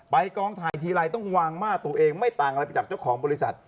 กองถ่ายทีไรต้องวางม่าตัวเองไม่ต่างอะไรไปจากเจ้าของบริษัท